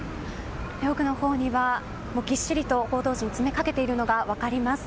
奥のほうには、ぎっしりと報道陣が詰めかけているのが分かります。